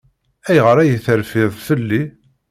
Ayɣer ay terfiḍ fell-i?